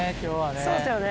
そうですよね。